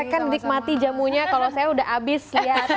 silahkan nikmati jamunya kalau saya udah habis lihat